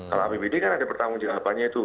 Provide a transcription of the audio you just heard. kalau apbd kan ada pertanggung jawabannya itu